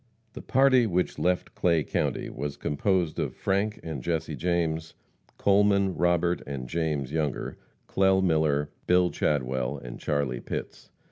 The party which left Clay county was composed of Frank and Jesse James; Coleman, Robert and James Younger; Clell Miller, Bill Chadwell and Charlie Pitts.